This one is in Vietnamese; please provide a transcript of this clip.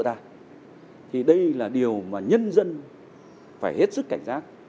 đó chính là điều mà nhân dân phải hết sức cảnh giác